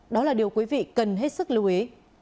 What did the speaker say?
đó là điều quý vị cần hết sức lưu ý